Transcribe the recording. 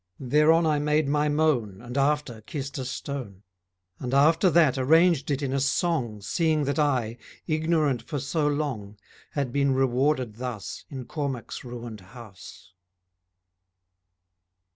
Thereon I made my moan, And after kissed a stone, And after that arranged it in a song Seeing that I, ignorant for so long, Had been rewarded thus In Cormac's ruined house.